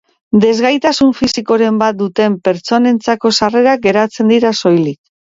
Desgaitasun fisikoren bat duten pertsonentzako sarrerak geratzen dira soilik.